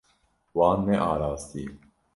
Wan nearastiye.